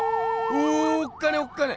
おおっかねえおっかねえ。